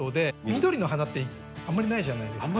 緑の花ってあんまりないじゃないですか。